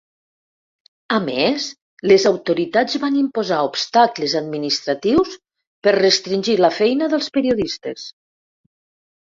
A més, les autoritats van imposar obstacles administratius per restringir la feina dels periodistes.